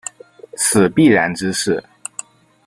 此必然之势。